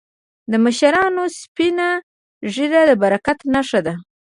د مشرانو سپینه ږیره د برکت نښه ده.